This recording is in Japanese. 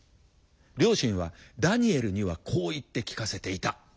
両親はダニエルにはこう言って聞かせていた。